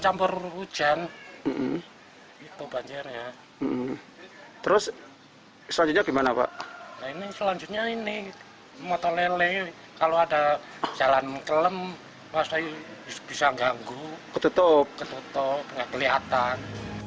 mata lele kalau ada jalan kelem masih bisa ganggu ketutup tidak kelihatan